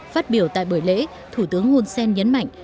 phát biểu tại buổi lễ thủ tướng hun sen nhấn mạnh